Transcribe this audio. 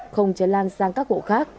không cháy lan sang các hộ khác